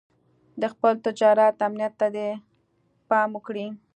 د خپل تجارت امنيت ته دې پام کړی.